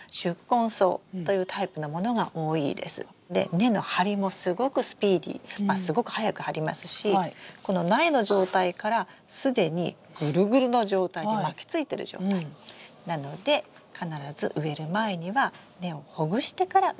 根の張りもすごくスピーディーすごく早く張りますしこの苗の状態から既にグルグルの状態に巻きついてる状態なので必ず植える前には根をほぐしてから植えます。